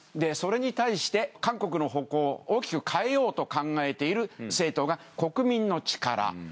それに対して韓国の方向を大きく変えようと考えている政党が国民の力